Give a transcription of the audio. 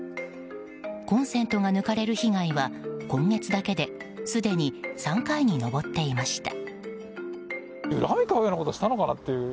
コンセントが抜かれる被害は今月だけですでに３回に上っていました。